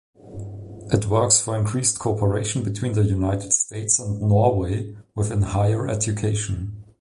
It works for increased cooperation between the United States and Norway within higher education.